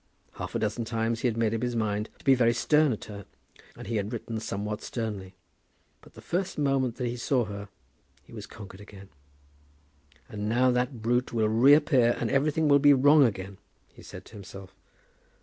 Half a dozen times he had made up his mind to be very stern to her; and he had written somewhat sternly, but the first moment that he saw her he was conquered again. "And now that brute will reappear, and everything will be wrong again," he said to himself.